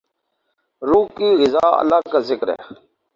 روح کی غذا اللہ کا ذکر ہے